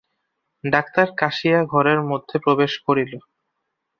Doctor কাশিয়া ঘরের মধ্যে প্রবেশ করিল।